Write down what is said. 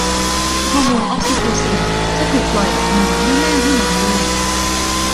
ฮอร์โมนออกซิโทซินจะถูกปล่อยออกมาเมื่อแม่ให้นมลูก